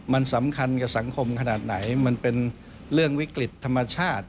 มันสำคัญกับสังคมขนาดไหนมันเป็นเรื่องวิกฤตธรรมชาติ